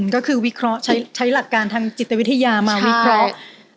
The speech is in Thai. ก็คือวิเคราะห์ใช้หลักการทางจิตวิทยามาวิเคราะห์